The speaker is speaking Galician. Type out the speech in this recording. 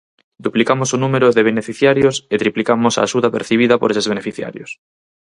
Duplicamos o número de beneficiarios e triplicamos a axuda percibida por eses beneficiarios.